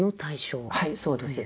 はいそうです。